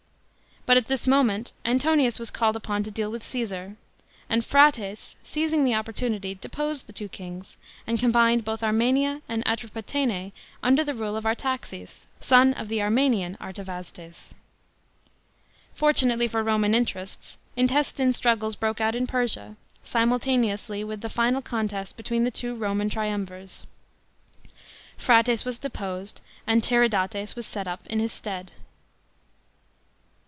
Hut at this moment Antonius was called upon to deal with Caesar ; and Phraates, seizing the oppor tunity, deposed the two kings, and combined both Armenia and Atropatene under the rule of Artaxes, son of the Armenian Artavasdes. Fortunately for Roman interests, intestine struggles broke out in Persia,* simultaneously with the final contest between the two Roman triumvirs. Phraates was deposed, and Tiridates was set up in his stead.